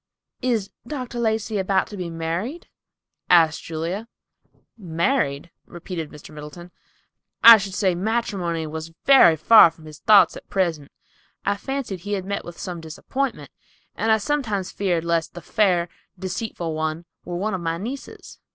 "Is Dr. Lacey about to be married?" asked Julia. "Married," repeated Mr. Middleton; "I should say matrimony was very far from his thoughts at present. I fancied he had met with some disappointment and I sometimes feared lest the fair, deceitful one were one of my nieces.